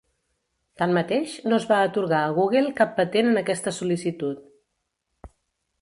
Tanmateix, no es va atorgar a Google cap patent en aquesta sol·licitud.